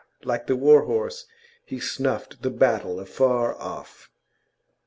Like the war horse he snuffed the battle afar off.